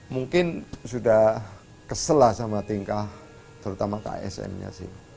mungkin sudah kesel lah sama tingkah terutama ksm nya sih